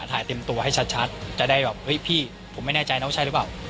ถ่ายเต็มตัวให้ชัดจะได้แบบเฮ้ยพี่ผมไม่แน่ใจน้องใช่หรือเปล่า